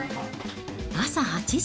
朝８時。